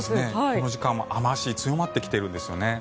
この時間は雨脚が強まってきているんですね。